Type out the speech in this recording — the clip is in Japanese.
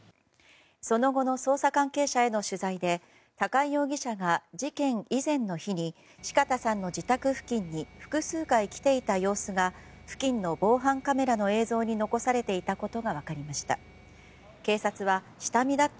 その後の捜査関係者への取材で高井容疑者が事件以前の日に四方さんの自宅付近に複数回来ていた様子が付近の防犯カメラの映像に残されていたことが分かりました。